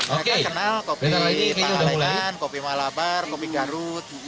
mereka kenal kopi tagalengan kopi malabar kopi garut